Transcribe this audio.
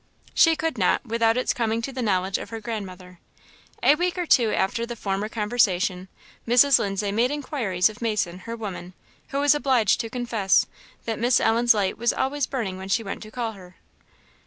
She could not, without its coming to the knowledge of her grandmother. A week or two after the former conversation, Mrs. Lindsay made inquiries of Mason, her woman, who was obliged to confess that Miss Ellen's light was always burning when she went to call her.